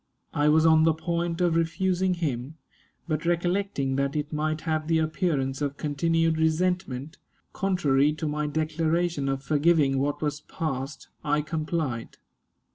I was on the point of refusing him, but recollecting that it might have the appearance of continued resentment, contrary to my declaration of forgiving what was past, I complied.